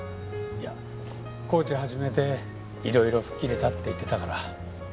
いやコーチ始めていろいろ吹っ切れたって言ってたから。